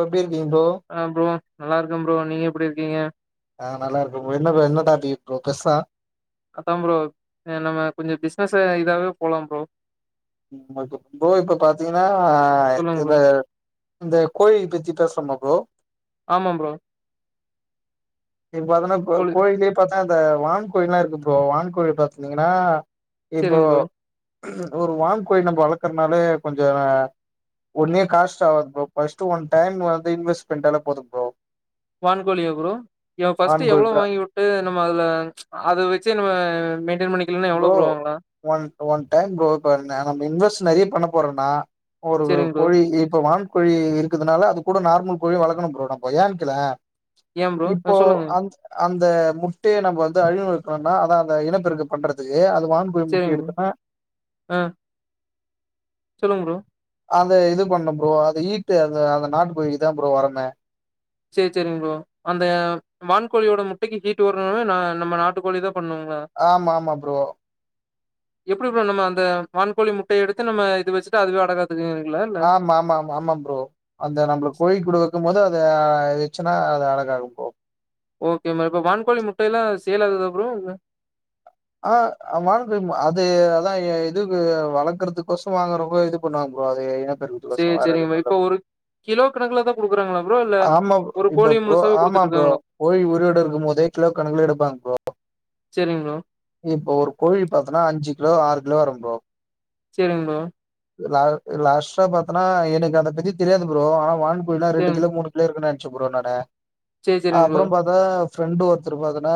எப்டியிருக்கீங்கோ. ஆ ப்ரோ நல்லா இருக்க ப்ரோ நீங்க எப்படி இருக்கீங்க. ஆஹ் நல்லா இருக்க ப்ரோ என்ன டாபிக் ப்ரோ பேசலாம் அதான் ப்ரோ நம்ம கொஞ்சம் பிஸ்னஸ் இதாவே போலாம் ப்ரோ. ப்ரோ இப்ப பாத்தீங்கன்னா சொல்லுங்க இப்ப ப்ரோ இந்த கோயில் பத்தி பேசுவமா ப்ரோ ஆமா ப்ரோ இப்ப அதன ப்ரோ கோழி கோயில பாத் இந்த வான்கோழில்லாம் இருக்கு ப்ரோ வான்கோழி பாத்திங்கன்னா இப்போ சேரிங்க ப்ரோ ஒரு வான் கோழி நம்ம வளர்க்கறனாலே கொஞ்சம் ஒன்னே காஸ்ட் ஆகாது ப்ரோ ஃபர்ஸ்ட் ஒன் டைம் வந்து இன்வெஸ்ட் பண்ட்டாலே போதும் ப்ரோ. வான் கோழியா ப்ரோ இவ பர்ஸ்ட் வான்கோழி எவ்ளோ ப்ரோ வாங்கிவுட்டு நம்ம அதுல அதா வச் சர் நம்ம மெயின்டென் பண்ணிக்கலன்னா எவ்ளோ ப்ரோ வாங்கலா ஒன் டைம் ஃபுரோ பன்ன நம்ம இன்வெஸ்ட் நிறய பண்ண போறோம்னா ஒரு சேரிங்க ப்ரோ கோழி இப்ப வான் கோழி இருக்குதுனால அது கூட நார்மல் கோழி வளர்க்கணும் ப்ரோ நம்ம ஏன்னுகேளேன் ஏ ப்ரோ ஆ இப்போ சொல்லுங்க அந் அந்த முட்டைய நம்ம வந்து [unintelligible] அதான் அதான் அந்த இனப்பெருக்க பண்றதுக்கு வான்கோழி முட்டை சேரிங்க ப்ரோ எடுத்தன்னா சொல்லுங் ப்ரோ அதந்த இது பண்ணும் ப்ரோ அதை ஈட்டு அந்த அந்த நாட்டு போயிதான் ப்ரோ வரனு செரி சேரிங்க ஃப்ரோ அந்த வான்கோழியோட முட்டைக்கு ஹீட் வரணமே நம்ம நாட்டு கோழி தான் ஆமா ஆமா ப்ரோ எப்படி ஃப்ரோ நம்ம அந்த வான்கோழி முட்டையை எடுத்து நம்ம இது வச்சுட்டு அதுவே அடகாத்து ஆமா ஆமா ஆமா ஆமாம் ப்ரோ அந்த நம்மளை கோழி கூட வக்கும் போது [unintelligible] வசுன்னா அது அடகாகும் ப்ரோ ஓகே இப்ப வான்கோழி முட்டை எல்லாம் சேல்லாகுதா ஃப்ரோ இல்ல ஆஹ் வாங்க அது அதான் இதுக்கு வளர்க்கறதுக்கசம் வாங்க ரொம்ப இது பண்ணுவாங்க கும் அது என சேரி சேரிங்கம்மா இப்ப ஒரு கிலோ கணக்குல தான் கொடுக்குறாங்களா ஆமா இப்ப ப்ரோ ஆமா ப்ரோ குடுத்துட்டுருக்காங்களா? கோழி உயிரோடஎடுக்கும் போதே கிலோ கணக்கல எடுப்பாங்க ப்ரோ சரிங்க ப்ரோ, இப்ப ஒரு கோழி பாத்தனா அஞ்சு கிலோ ஆறு கிலோ வரும் ப்ரோ செரிங்க ப்ரோ லாஸ் லாஸ்ட்டா பாத்தனா எனக்கு அத பத்தி தெரியாது ப்ரோ ஆனா வான்கோழி சரிங் ஃப்ரிட்ஜ்ல மூணு ப்ளேயர் ருக்னே சுப்ரனோட சரி, சரிங்க ப்ரோ. அப்ரோ பாத்தா ஃப்ரெண்டு் ஒருத்தர் பாத்தன்னா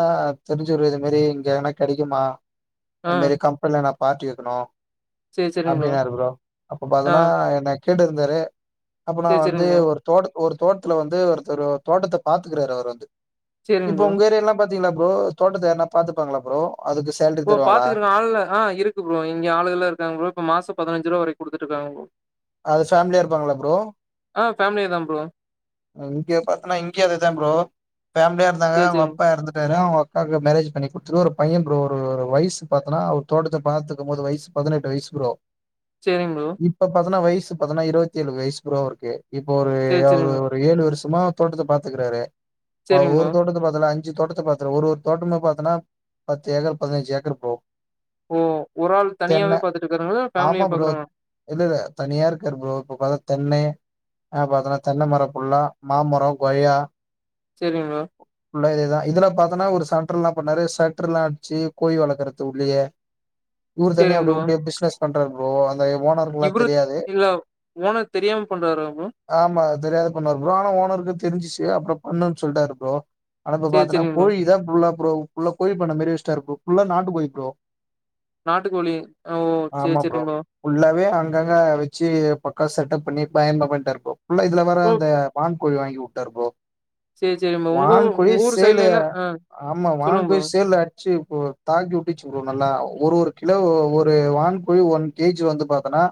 தெரிஞ்சிவ்ரு இது மேரி இங்க என்னா கெடைக்குமா ஆ, இத் மேரி கம்பன்லா நாப் பார்ட்டி இருக்ணோ சரி, சரிங்க அப்டின்னாரு ப்ரோ அப்ப ஆ, பாத்தன்னா என்க் கேட்டு இருந்தாரு அப்ப நா சரி, வந்து சரிங்க ப்ரோ, ஒரு தோட்டக் ஒரு தோட்த்ல வந்து ஒருத்தர் தோட்டத்த பாத்துக்றாரு அவர் வந்து சரிங்க இப்போ ப்ரோ. உங்க ஏரியா லாம் பாத் த்தீங்ளா ப்ரோ தோட்டத்த யார்னா பாத்துப்பாங்ளா ப்ரோ அதுக்கு சேலரி இப்போ தருவாங்களா? பாத்ரிக்க ஆளு இல்ல ஆ இருக்கு ப்ரோ இங்க ஆளுகள்ல இருக்காங்க ப்ரோ இப்ப மாஸம் பதிதினஞ்சு ரூபா வரைக்கும் குடுத்துட்ருக்காங்க ப்ரோ அது ஃபேம்லியா இருப்பாங்ளா ப்ரோ ஆ ஃபேம்லி தான் ப்ரோ இங்க பாத்தன்னா இங்கியும் அதுதான் ப்ரோ ஃபேம்லியா இருந்தாங்க சரி, அவ்ங்க சரிங் அப்பா எறந்துட்டாரா அக்காக்கு மேரேஜ் பண்ணி குட்த்ருவோ அந்த பையன் ப்ரோ ஒரு வய்ஸ் பாத்தன்னா ஒரு தோட்டத்த பாத்துக்கும் போது வய்ஸ் பதனெட்டு வய்ஸ் ப்ரோ சரிங்க ப்ரோ, இப்ப பாத்தனா வய்ஸ் வய்ஸ் பாத்னா இருவத்தி ஏழு வெய்ஸ் ப்ரோ அவ்ருக்கு இப்போ ஒரு சரி, சரிங்க ப்ரோ, ஏதாவ்து இவரு சும்மாவ தோட்த்த பாத்துக்றாரு சரிங்க ஒரு ப்ரோ. தோட்டத பாத்தல அஞ் அஞ்சு தோட்டத்த பாத்ரு ஒரு ஒரு தோட்டமா பாத்தனா பத்து ஏக்கர் பதினஞ்சி ஏக்கர் போவு ஓ! ஒரு ஆள் தனியாவே தென்ன பாத்துட்டுருக்காருங்களா? ஆமா ஃபேமிலியா ப்ரோ பாக்குறாங்களா? இல்லல்ல தனியாருக்கார் ப்ரோ இப்போ பா தென்னெ அப்ப அதனா தென்ன மரம் ஃபுல்லா மா மரோ கொய்யா செரிங் ப்ரோ ஃபுல்லா இதேதா இதுலாம் பாத்தனா ஒரு சென்ட்ர்ல என்ன பண்ணாரு செட்ருலா அடிச்சி கோழி வளக்றது உள்ளியே இவ்ரு தனியா சரிங்க அப்டி ப்ரோ. உட்டுட்டு பிசினஸ் பண்றாரு ப்ரோ இது ஓனருக்லா இவரு தெரியாது இல்ல ஓனர் தெரியாம பண்றாரா ப்ரோ? ஆமா தெரியாது ப்ரோ ஆனா ஓனர்க்கு தெரிஞ்சிச்சி அப்றோ பண்ணுன் சொல்ட்டாரு ப்ரோ ஆனா இப்ப சேரி பாத்தன்னா சேரிங்க ப்ரோ. கோழிதா ஃபுல்லா ப்ரோ உள்ள கோழி பண்ண மேரி வெச்டார் ப்ரோ ஃபுல்லா நாட்டு கோழி ப்ரோ நாட்டுக்கோழி ஓ சேரி சேரிம்போ ங்கங்க வச்சி பக்கா செட்டப் பண்ணி பயமா பண்டார் ப்ரோ ஃபுல்லா இதுல வர ஓ! இந்த வான்கோழி வாங்கி உட்டாரு ப்ரோ சேரி சேரிங்க ப்ரோ. உங்க ஊ வான் கோழி உங்க ஊர் சேலு சைட்லலாம் ஆ ஆமா வான் சொல்லுங்க ப்ரோ. கோழி சேல்ல ஆ ச்சி ஓ தாக்கி உட்டுச்சி ப்ரோ நல்லா ஒரு ஒரு கிலோ ஒவ்வொரு வான்கோழி ஒன் கே ஜி வந்து பாத்தொனா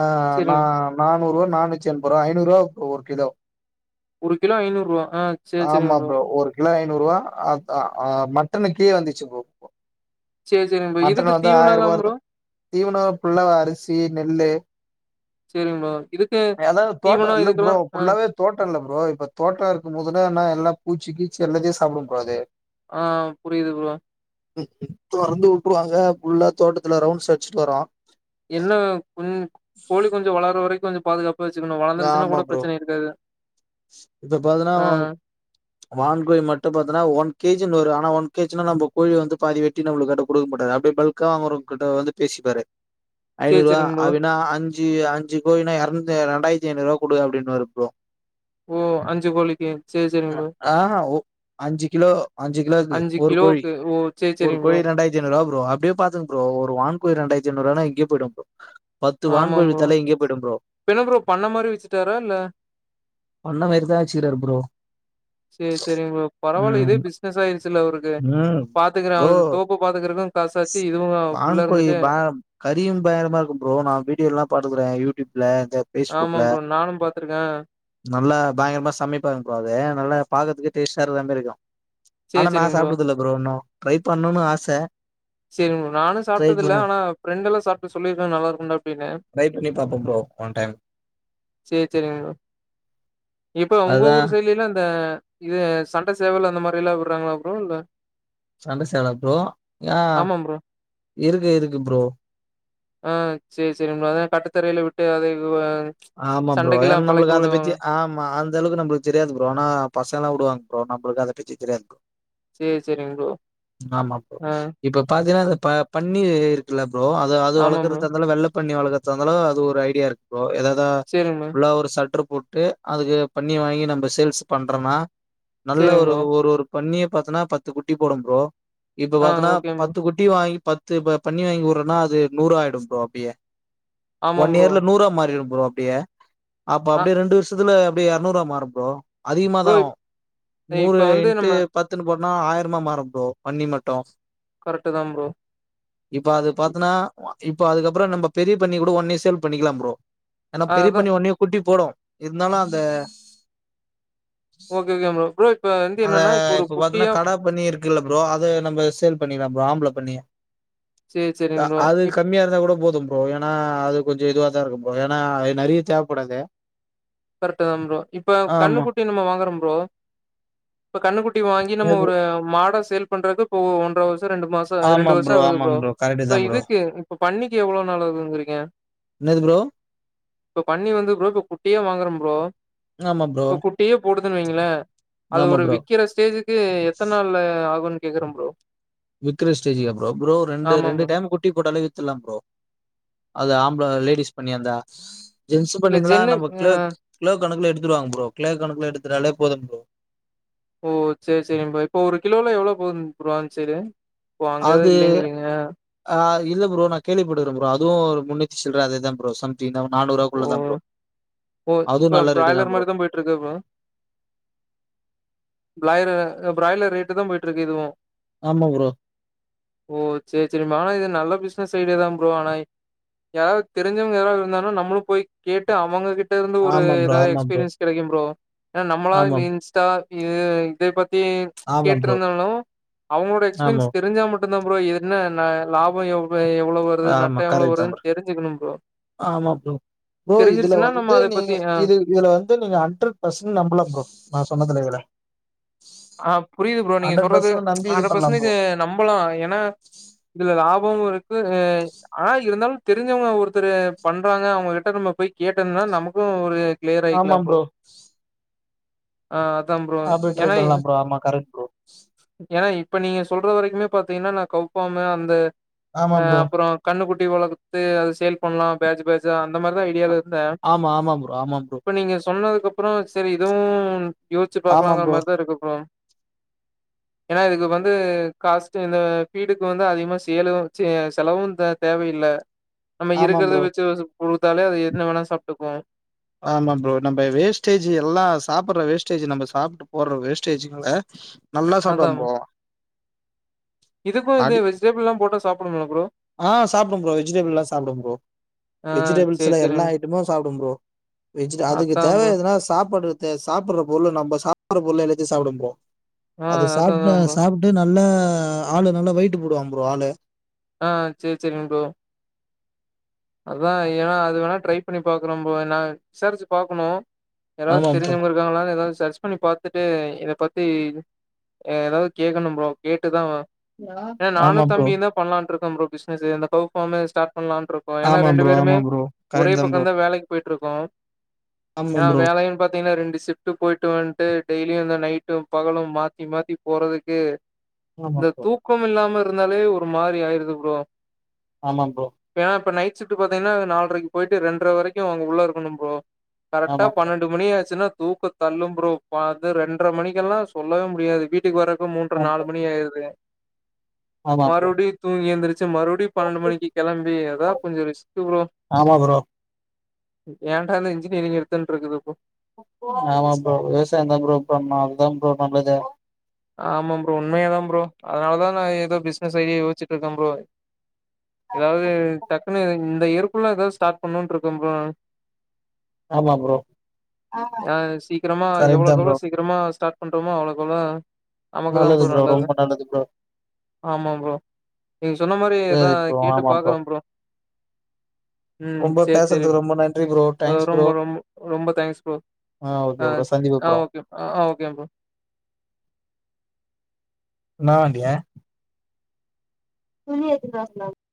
ஆ நா சரிங்க. நா முன்னூறுவா நானூச்சி எம்பருவா ஐநூறுவா ஒவ்வொர் கிலோ ஒரு கிலோ ஐநூறுவா ஆ சேர் சேரிங்க ப்ரோ நூறுவா அப் அ அ மட்டனுக்கே வந்துச்சி ப்ரோ சேரி சேரிங்க ப்ரோ. இதுக்கு மட்டன் வந்து ஆய்ருபா தீவனம்லாம் இருக்கு ப்ரோ? தீவனொ ஃபுல்லா அரிசி நெல்லு சேரிவ் ப்ரோ இதுக்கு அதாவது தீவனொ தோட்டம் இல்ல இதுக் ப்ரோ ஃபுல்லாவே தோட்டொ இல்ல ப்ரோ இப்ப தோட்டொ இருக்கும் போதுலா என்ன ல்லா பூச்சி கீச்சி எல்லாத்தியு சாப்டும் ப்ரோ அது ஆ புரியிது ப்ரோ தொறந்து உட்ருவாங்க ஃபுல்லா தோட்டத்துல ரவுண்ட்ஸ் அட்ச்சிட்டு வரு என்ன பாதுகாப் பா வெச்சுக்கணு வளந்துருச்சுன்னா ஆமா கூட ப்ரோ ப்ரச்சன இருக்காது இப்ப பாதினா ஆ வான் கோழி மட்டு பாத்தன்னா ஒன் கேஜி நூறு அ ஆனா ஒன் கேச்சுனா நம்ப கோழிய வந்து பாதி வெட்டி நம்ளுக்காண்ட குடுக்க மாட்டாரு அப்டே பல்க்கா வாங்குறவ் கிட்ட வந்து பேசிப்பாரு சேரி ஐநூறுவா சேரிங்க ப்ரோ. அப்பின்னா அஞ்சு அஞ்சு கோழினா எர்னுத் ரெண்டாயித்தி ஐநூறுவா குடு அப்டின்னுவாரு ப்ரோ ஓ! கோழிக்கு. சேரி சேரிங்க ப்ரோ. ஆஹ் அஞ்சு கிலோ அஞ்சு கிலோக்கு ஒரு கோழி கிலோவுக்கு ஓ! சேரி ஒரு சேரிங்க ப்ரோ. கோழி ரெண்டாயிரத்தி ஐநறு ரூபா ப்ரோ அப்படியே பாத்துங்க ப்ரோ ஒரு வான் கோழி ரெண்டாயிரத் [unintelligible] ஆமாம் ப்ரோ இப்ப என்ன ப்ரோ பண்ண மாரி விச்சுட்டாரா இல்ல பண்ண மாரிதா வச்சுக்கிறரு ப்ரோ சேரி சேரிங் ப்ரோ பரவாயில்ல இதே ம் பிசினஸ் ஆயிருச்சுல்ல அவருக்கு பாத்துக்கற அது தோப்ப பாத்துக்கறக்கும் வான் கோழி [unintelligible] கரியும் பயங்கரமா இருக்கும் ப்ரோ நா வீட்டுக்கு எல்லாம் பாத்துக்கற யூடுயூப் இல்ல இந்த ஆமா பேஸ்புக்ல ப்ரோ நானு பாத்துருக்கே நல்லா பயங்கரமா சமைப்பாங்க ப்ரோ அத நல்லா பாக்கறதுக்கு டேஸ்ட் ஆஹ் இருக்கறமாரி இருக்கும் சேரி ஆனா நா சேரிங்க சாப்பிடுதுல்ல ப்ரோ ஒன்னோ ட்ரை பண்ணணுன்னு ஆசை சரி நானு சாப்பிட்டதுல்ல ஆனா ஃரெண்டெல்லா சாப் சொல்லிருக்கங் நல்லா இருக்கும்ண்டா [unintelligible] ட்ரை பண்ணி பாப்போ ப்ரோ ஒன் டைம் சேரி சேரிங் ப்ரோ இப்ப உங்க அதுதா ஊர் சைடுலல்ல அந்த இது சண்டை சேவல் அந்த மாரி எல்லாம் விடுறாங்களா ப்ரோ இல்ல சண்டை சேலஅ ப்ரோ ஆஹ் ஆமா ப்ரோ இருக்கு இருக்கு ப்ரோ ஆஹ் சேரி சேரிங் ப்ரோ அதா கட்டத்தறையில விட்டு அதை ஆமா புரோ சண்டைக்கெல்லா ஏன் பழக்கி நம்மளுக்கு அதை பத்தி விடுவாங்க ஆமா அந்த அளவுக்கு நம்மளுக்கு தெரியாது புரோ ஆனா பசங்க உடுவாங் ப்ரோ நம்மளுக்கு அத பதி தெரியாது சேரி சேரிங்க ப்ரோ ஆமாப்போ ஆ இப்ப பாத்தீங்கன்னா இந்த ப பண் [unintelligible] இருக்கல ப்ரோ அது அது ஆமா ப்ரோ வளர்க்கறதுந்தாலு வெள்ள பண்ணி வளர்க்க த இருந்தாலும் அது ஒரு ஐடியா இருக்கும் ப்ரோ ஏதாவது இத சேரிங்க ப்ரோ உள்ள ஒரு சற்று போட்டு அதுக்கு பண்ணி வாங்கி நம்ம சேல்ஸ் பண்றம்னா நல்ல சேரிங்க ஒரு ப்ரோ ஒரு ஒரு பண்ணிய பாத்தனா பத்து குட்டி போடும் ப்ரோ இப்ப ஆ பாத்தன்னா ஓகே ப்ரோ. பத்து குட்டி வாங்கி பத் பத்து ப பண்ணி வாங்கி விடுறேன்னா அது நூறுா ஆயிடும் ப்ரோ அப்படியே ஆமா ஒன் ப்ரோ. இயர்ல நூறா மாறிரும் ப்ரோ அப்படியா அப்ப ஆ அப்படியே ரெண்டு வருஷத்துல அப்டியே எரநூறா மாறும் ப்ரோ அதிகமாதா ப்ரோ ஆவும் நூறு இப்ப வந்து இன்ட்டு நம்ம பத்துன்னு போ னா ஆயரமா மாறும் ப்ரோ பண்ணி மட்டு கரெக்ட்டு தான் ப்ரோ. இப்ப அது பாத்தன்னா இப்போ அதுக்கப்புற நம்ம பெரிய பன்னி கூட ஒடனே சேல் பண்ணிக்கலாம் ப்ரோ ஏன்னா பெரிய அதான் பன்னி ஒன்னே குட்டி போடும் இருந்தாலு அந்த ஓகே ஓகே ப்ரோ ப்ரோ இப்ப வந்து அத என்னன்னா, ஒரு இப்ப பாத்தீன்னா குட்டியா கடா பன்னி இருக்குல்ல ப்ரோ அத நம்ம சேல் பண்ணிடலாம் ப்ரோ ஆம்பள பன்னிய சரி சரிங்க ப்ரோ. அது இப் கம்மியா இருந்தா கூட போதும் ப்ரோ ஏன்னா அது கொஞ்சம் இதுவா தா இருக்கும் ப்ரோ ஏன்னா அது நறைய தேவப்படாது கரெக்ட்தா ப்ரோ இப்ப கண்ணு ஆமா குட்டி நம்ம வாங்குறம் ப்ரோ இப்ப கண்ணுக்குட்டி வாங்கி எது நம்ம ப்ரோ ஒரு மாட சேல் பண்றதுக்கிப்போ ஒன்ற வருஷ ரெண்டு மாசொ ஆமா ரெண்டு வருஷொ ஆகுது ஆமா ப்ரோ கரெக்ட் இப்ப தா ப்ரோ இதுக்கு இப்ப பன்னிக்கு எவ்ளவு நாளாகுதுங்கிறீங்க என்னது ப்ரோ இப்ப பன்னி வந்து [unintelligible] குட்டியா வாங்கற ப்ரோ ஆமா ப்ரோ இப்ப குட்டியே போடுதுன்னு வைங்களே அது ஆமா ஒரு ப்ரோ விக்கற ஸ்டேஜுக்கு எத்தன் நாள் ஆகுன் கேக்குறம் ப்ரோ விக்கற ஸ்டேஜிகா ப்ரோ ப்ரோ ரெண்டு ஆமா ரெண்டு ப்ரோ. டைம் குட்டி போட்டாலே வித்தர்லா ப்ரோ அது ஆம்பள லேடிஸ் பண்ணியாருந்தா ஜென்ஸு இல்ல பண்ணீங்களா ஜென்னு நம்ம கிலோ கிலோ கணக்குல எடு வித்துருவாங்க ப்ரோ கிலோ கணக்குல எடுத்துட்டாலே போதும் ப்ரோ ஓ சேரி சேரிம்பா இப்போ ஒரு கிலோலா எவ்வளவு போகும் ப்ரோ அந்சைடு ப்போ அங்கேதோ அது இல்லேங்கிறீங்க ஆ இல்ல ப்ரோ நான் கேள்விப்பட்டுக்கறே ப்ரோ அதுவு ஒரு முன்னூத்திச் சில்ற அதேதா ப்ரோ சம்திங்தா ஓ நானூறுவாக்குள்ளதா ப்ரோ ஓ அதுவு இப்ப நல்ல ரேட்டு தா பிராய்லர் ப்ரோ மாரிதா போய்டுருக்கா ப்ரோ பிலாய்லர் பிராய்லர் ரேட்டு தா போயிட்டுருக்கு இதுவு ஆமா ப்ரோ ஓ சேரி சேரி மானா இது நல்ல பிஸ் இந்த சைடுதா ப்ரோ ஆனாய் யாராவது தெரிஞ்சவங்க யாராது இருந்தானா நம்மளும் போய் கேட்டு அவங்க கிட் ட்ட இருந்து ஒரு ஆமா ப்ரோ ஏதோ ஆமா ப்ரோ எக்ஸ்பீரியன்ஸ் கெடைக்கு ப்ரோ ஏனா நம்மளா ஆமா இந்த இன்ஸ்டா இ இதே பத் தி ஆமா ப்ரோ கேட்ருந்தாலு அவங்களோட எக்ஸ்பீரியன்ஸ் ஆமா தெரிஞ்சா மட் ட்டுந்தா ப்ரோ என்ன ந லாபம் எவ் அ எவ்ளவு வருது ஆமா நட்டோ எவ்ளவு கரெக்ட் தா வருதுன்னு ப்ரோ தெரிஞ்சுக்கணு ப்ரோ ஆமா ப்ரோ ப்ரோ இதுல தெரிஞ்சிருச்சுன்னா நம்ம வந்து அத நீங்க பத்தி ஆ இது இதுல வந்து நீங்க ஹண்ட்ரட் பர்சன்ட் நம்பலா ப்ரோ நா சொன்னதுல இதுல ஆ புரியுது ப்ரோ நீங்க ஹண்ட்ரட் சொல்றது பர்சன்ட் நம்பி இது ஹண்ட்ரட் பண்ணலா பர்சன்டேஜ் ப்ரோ நம்பலா ஏனா இதுல லா போ இருக்கு ஆனா இருந்தாலு தெரிஞ்சவங்க ஒருத்தரு பண்றாங்க அவங்ககிட்ட நம்ம போய் கேட்டனா நமக்கு ஒரு ஆமாம் ப்ரோ அ தா ப்ரோ அப்டி ட்ரை ஏனா பண்ணலா ஆமா கரெக்ட் ப்ரோ இப்ப நீங்க சொல்ற வரைக்குமே பாத்தீங்கன்னா நா கவுப்பாமதா வந்து ஆமா அ ப்ரோ அப்புறோ கண்ணுக்கு இவுளோ குத்து அது சேல் பண்லா பேஜ் பேஜா இந்த மாரிதா ஐடியால இருந்தே ஆமா ஆமா ப்ரோ ஆமா ப்ரோ இப்ப நீங்க சொன்ன அப்புறோ சரி இதுவு யோச்சு ஆமா பாக்கலாங்கற ப்ரோ மாரிதா இருக்கு ஏன்னா இதுக்கு வந்து காஸ்டு இந்த வீடுக்கு வந்து அதிகமா சேலு ச்சீ செலவு தே தேவையில்ல நம்ம ஆமா இருக்கிறத ப்ரோ வச்சு கொடுத்தாலே அது என்ன வேணாலும் சாப்ட்டுக்கும் ஆமா ப்ரோ நம்ம வேஸ்டேஜ் எல்லாம் சாப்பிடுற வேஸ்டேஜ் நம்ம சாப்ட்டு போடுற வேஸ்டேஜ்ங்கல அதா இது போக வந்து வெஜிடபிள் எல்லாம் போட்டா சாப்புடனும் ஆஹ் சாப்பிடும் புரோ வெஜிடபிள் எல்லாம் சாப்பிடும் புரோ ஆ சேரி வெஜிடபிள்ஸ்ல எல்லா சேரிங் ஐட்டமும் சாப்டும் புரோ அதுக்கு அதா தேவ ப்ரோ எதுனா சாப்பிடுற இந்த சாப்பற பொருள் நம்ம சாப்டுற பொருள் எல்லாத்தையும் சாப்டும் புரோ ஆ அது அததா சாப்டா ப்ரோ சாப்புட்டு நான் நல்ல ஆளு நல்லா வெயிட்டு போடுவம்புரோ ஆளு ஆஹ் செரி செரி புரோ அதான் ஏன்னா அது வேணா ட்ரை பண்ணி பாக்கறோம் புரோ நான் விசாரிச்சு பாக்கணும் ஏதாவது ஆமா ப்ரோ தெரிஞ்சவயிருக்காங்களா ஏதாவது விசரிச்சு பண்ணி பார்த்துட்டு இதை பத்தி ஏதாவது கேக்கணும் புரோ கேட்டுதான் ஏ ஆமா நானும் ப்ரோ தம்பி தான் பண்ணலாண்டுருக் ஆம் ப்ரோ பிஸ்னஸ்ஸு [unintelligible] ஸ்ட் பண்லானு இரு ஒ ஏன்னா ஆமா ரெண்டு ப்ரோ பேருமே ஆமா ப்ரோ ஒரே கரெக்ட் தா ப்ரோ பக்கம் தான் வேலைக்கு போயிட்டு டிருக்கோம் ஆமா ஏன்னா ப்ரோ வேலைன்னு பாத்தீங்கன்னா ரெண்டு ஷிஃப்ட்டு போயிட்டுவன்ட்டு டெய்லியும் இந்த நைட்டும் பகலும் மாத்தி மாத்தி போறதுக்கு ஆமா இந்த ப்ரோ தூக்கம் இல்லாமல் இருந்தாலே ஒரு மாறி ஆயிருது ப்ரோ ஆமா ப்ரோ ஏன்னா இப்ப நைட் ஷிப்ட் பாத்தீங்கன்னா நால்ரைய்க்கு போயிட்டு ரென்ற வரைக்கும் அங்க உள்ள இருக்கணும் ப்ரோ கரெக்டா ஆமா பன்னெண்டு மணி ஆச்சுன்னா தூக்க தள்ளும் ப்ரோ பாத்த ரென்ற மணிக்கெல்லா சொல்லவே முடியாது வீட் வீட்டுக்கு வரக்கு மூன்ற ப்ரோ நாலுமணி ஆயிருது ஆமா ப்ரோ மறுவுடி தூங்கி எந்திருச் ச்சு மறுபடி பன்னெண்டு மணிக்கு கிளம்பி ஏதா கொஞ்சோ ரெஸ்ட் ப்ரோ ஆமா ப்ரோ உ ஏன்டா இந்த இன்ஜீனியரிங் எடுத்தன்ட்டு இருக்குது ப்ரோ [unintelligible] ஆமா ப்ரோ விவசாய தான் ப்ரோ பண்ணும் அதுதான் ப்ரோ நல்லது ஆமாம் ப்ரோ உண்மையா தா ப்ரோ அதனாலதான் நான் ஏதோ பிசினஸ் ஐடியா யோச்சிட்டு இருக்கே ப்ரோ ஏதாவது டக்குனு [unintelligible] இந்த இயர்குள்ள எதாவது ஸ்டார்ட் பண்ணும்னுன்டு இருக்கே ப்ரோ நானு ஆமா ப்ரோ ஆ சீக்கிரமா கரெக்ட் எவ்ளோக்கு தான் எவ்ளோ ப்ரோ சீக்கிரமா ஸ்டார்ட் பண்றோமோ அவ்ளோக்கு அவ்ளோ நமக்குதா ப்ரோ நல்லது ஆமா ப்ரோ நீங்க சொன்ன மாறி ஏதா சரி ப்ரோ கேட்டு ஆமா பாக்கறோம் ப்ரோ ம் ரொம்ப சேரி சேரி பேசுனதுக்கு ப்ரோ ரொம்ப நன்றி ப்ரோ ஆ தேங்க்ஸ் ப்ரோ ரொம்ப ரொம்போ ரொம்ப தேங்க்ஸ் ப்ரோ ஆ ஓகே ப்ரோ சந்திப்பு ஆ ப்ரோ ஓகே ஆ ஓகே ப்ரோ என்ன பண்டிறிங்க துணி எடுத் [unintelligible]